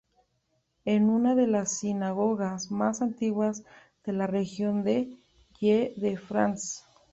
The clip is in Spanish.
Es una de las sinagogas más antiguas de la región de "Île-de-France".